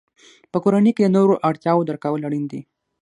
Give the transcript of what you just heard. په کورنۍ کې د نورو اړتیاوو درک کول اړین دي.